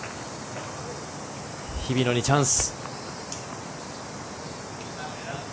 日比野にチャンス。